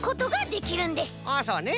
あっそうね